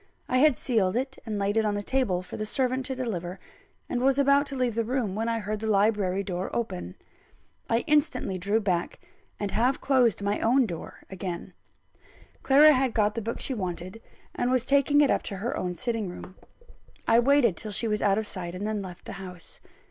I had sealed and laid it on the table for the servant to deliver, and was about to leave the room, when I heard the library door open. I instantly drew back, and half closed my own door again. Clara had got the book she wanted, and was taking it up to her own sitting room. I waited till she was out of sight, and then left the house.